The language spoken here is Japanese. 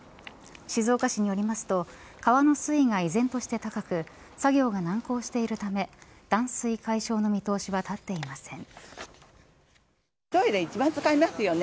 静岡市によりますと川の水位が依然として高く作業が難航しているため断水解消の見通しは立っていません。